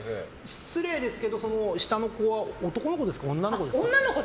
失礼ですけど下のことは男の子ですか女の子です。